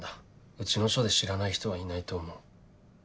うちの署で知らない人はいないと思う。